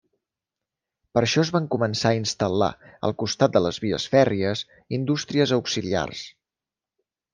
Per això es van començar a instal·lar, al costat de les vies fèrries, indústries auxiliars.